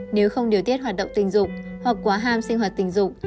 nếu không điều tiết hoạt động tình dục hoặc quá ham sinh hoạt tình dụng